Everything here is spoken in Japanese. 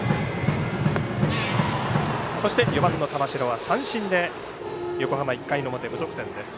４番の玉城は三振で横浜、１回の表、無得点です。